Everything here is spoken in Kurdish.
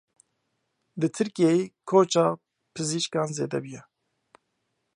Li Tirkiyeyê koça pizîşkan zêde bûye.